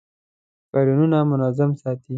فایلونه منظم ساتئ؟